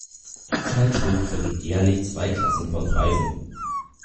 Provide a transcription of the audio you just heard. Die Zeitschrift vergibt jährlich zwei Klassen von Preisen.